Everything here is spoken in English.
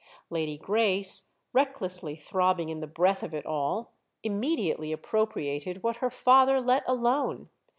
Lady Grace, recklessly throbbing in the breath of it all, immediately appropriated what her father let alone.